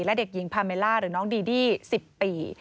และเด็กหญิงพาเมล่าหรือน้องดีดี้๑๐ปี